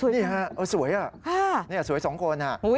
นี่สวยสวย๒คน